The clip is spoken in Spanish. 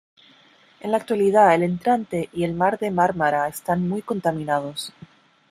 En la actualidad, el entrante y el mar de Mármara están muy contaminados.